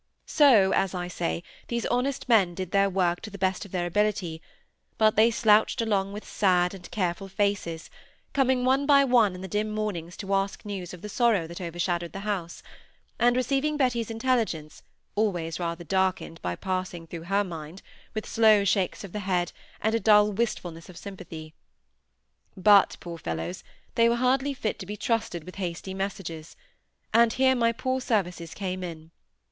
So, as I say, these honest men did their work to the best of their ability, but they slouched along with sad and careful faces, coming one by one in the dim mornings to ask news of the sorrow that overshadowed the house; and receiving Betty's intelligence, always rather darkened by passing through her mind, with slow shakes of the head, and a dull wistfulness of sympathy. But, poor fellows, they were hardly fit to be trusted with hasty messages, and here my poor services came in.